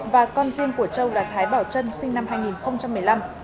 và con riêng của châu là thái bảo trân sinh năm hai nghìn một mươi năm